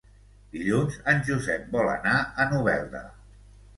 Dilluns en Josep vol anar a Novelda.